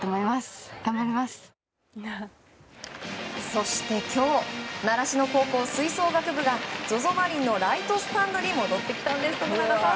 そして今日習志野高校吹奏楽部がＺＯＺＯマリンのライトスタンドに戻ってきたんですよ、徳永さん。